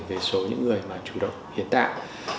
về số những người mà chủ động hiến tạng